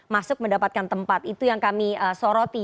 masuk mendapatkan tempat itu yang kami soroti